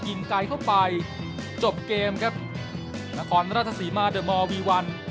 ยิงไกลเข้าไปจบเกมครับนครราชสีมาเดอร์มอลวีวัน